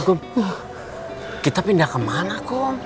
cek saya tidak mau pindah ke mana